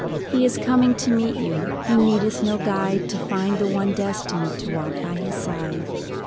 He is coming to meet you, he needeth no guide To find the one destined to walk by his side.